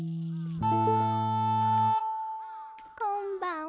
こんばんは。